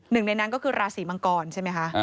หนึ่งในนั้นก็คือราศีมังกรใช่ไหมคะ